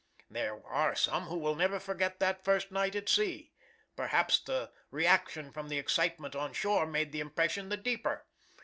"There are some who will never forget that first night at sea. Perhaps the reaction from the excitement on shore made the impression the deeper.